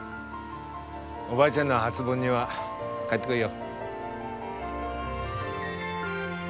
おばあちゃんの初盆には帰ってこいよ。